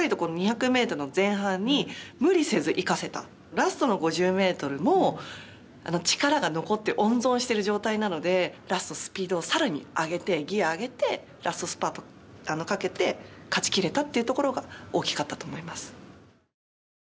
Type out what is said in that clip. ラストの５０ｍも力が残って温存している状態なのでラストスピードを更に上げてギアを上げてラストスパートをかけて勝ち切れたところが大きかったと思います。